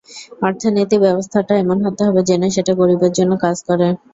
অর্থনীতি ব্যবস্থাটা এমন হতে হবে, যেন সেটা গরিবের জন্য কাজ করে।